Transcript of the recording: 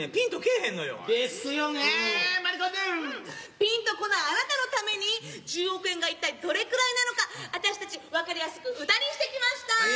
ピンとこないあなたのために１０億円が一体どれぐらいなのか私たち分かりやすく歌にしてきました。